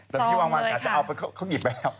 แต่พี่วางวางอาจจะเอาไปเข้าหยิบไปแล้ว